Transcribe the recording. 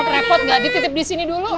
ada repot gak di titip di sini dulu